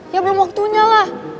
ya belum waktunya lah